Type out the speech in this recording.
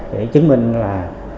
để chứng minh là